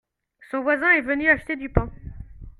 Son voisin est venu acheter du pain.